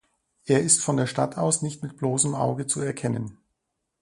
Es ist von der Stadt aus nicht mit bloßem Auge zu erkennen.